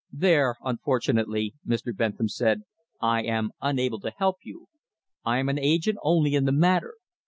"There, unfortunately," Mr. Bentham said, "I am unable to help you. I am an agent only in the matter.